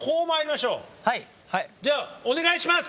じゃあお願いします。